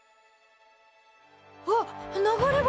あっ流れ星！